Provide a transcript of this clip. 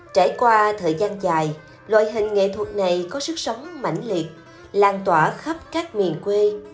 trải qua thời gian dài loại hình nghệ thuật này có sức sống mạnh liệt lan tỏa khắp các miền quê